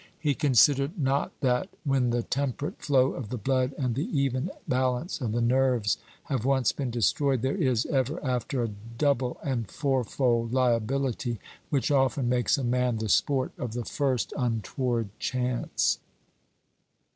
He considered not that, when the temperate flow of the blood and the even balance of the nerves have once been destroyed, there is, ever after, a double and fourfold liability, which often makes a man the sport of the first untoward chance.